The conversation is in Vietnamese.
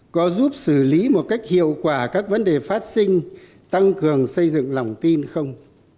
có giúp xử lý một cách hiệu quả các vấn đề phát sinh tăng cường xây dựng lòng tin không